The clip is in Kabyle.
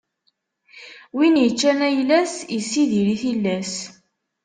Win iččan ayla-s, issidir i tillas.